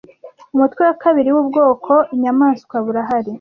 umutwe wa kabiri ubwoko bw inyamaswa burahari